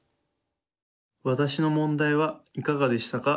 私の問題はいかがでしたか？